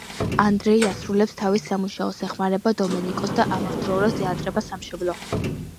ანდრეი ასრულებს თავის სამუშაოს, ეხმარება დომენიკოს და ამავდროულად, ენატრება სამშობლო.